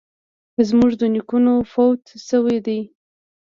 زموږ نیکونه فوت شوي دي